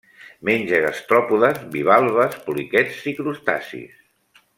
Menja gastròpodes, bivalves, poliquets i crustacis.